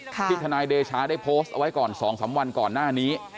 ทนายเดชาได้โพสต์เอาไว้ก่อน๒๓วันก่อนหน้านี้